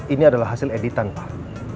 ini adalah hasil editan pak